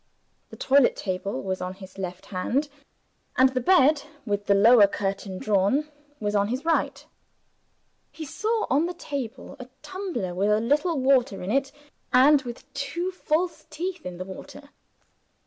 The toilet table was on his left hand, and the bed (with the lower curtain drawn) was on his right. He saw on the table a tumbler with a little water in it, and with two false teeth in the water.